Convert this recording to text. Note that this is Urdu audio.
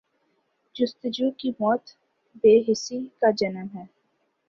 جستجو کی موت بے حسی کا جنم ہے۔